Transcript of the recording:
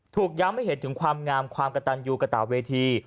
ย้ำให้เห็นถึงความงามความกระตันยูกระต่าเวที